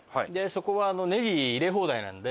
そこはネギ入れ放題なので。